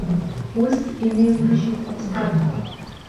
Ус, инеиурыжьит аԥсаатәқәа.